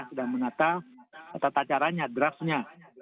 sedang menata tata caranya draftnya